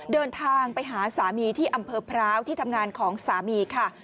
เดินทางไปหาสามีที่อำเภอพร้าวที่ทำงานของสามีค่ะ